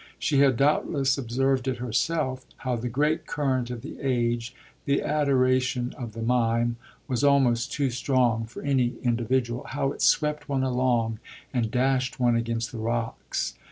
She had doubtless observed it herself, how the great current of the age, the adoration of the mime, was almost too strong for any individual; how it swept one along and dashed one against the rocks.